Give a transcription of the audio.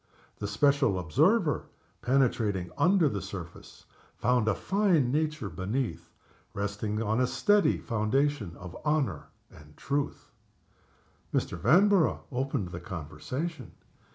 The special observer, penetrating under the surface, found a fine nature beneath, resting on a steady foundation of honor and truth. Mr. Vanborough opened the conversation.